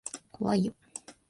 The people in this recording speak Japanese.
怖いよ。